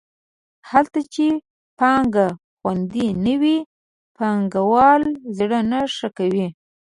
هلته چې پانګه خوندي نه وي پانګوال زړه نه ښه کوي.